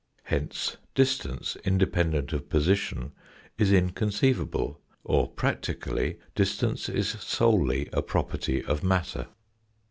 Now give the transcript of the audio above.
Hence distance independent of position is inconceivable, or practically distance is solely a property of matter.